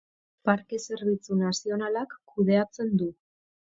Parke Zerbitzu Nazionalak kudeatzen du.